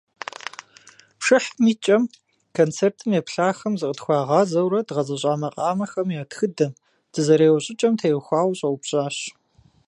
Пшыхьым и кӀэм концертым еплъахэм зыкъытхуагъазэурэ дгъэзэщӀа макъамэхэм я тхыдэм, дызэреуэ щӀыкӀэхэм теухуауэ щӀэупщӀащ.